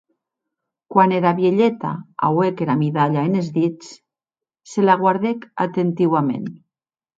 Quan era vielheta auec era midalha enes dits, se la guardèc atentiuament.